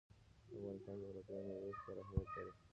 د افغانستان جغرافیه کې مېوې ستر اهمیت لري.